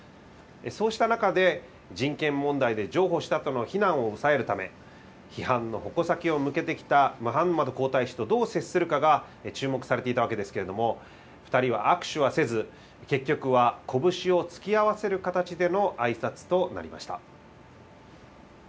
そうした中で、人権問題で譲歩したとの非難を抑えるため、批判の矛先を向けてきたムハンマド皇太子とどう接するかが注目されていたわけですけれども、２人は握手はせず、結局は拳を突き合わせる形でのあいさつとなりました。